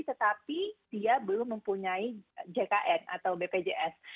tetapi dia belum mempunyai jkn atau bpjs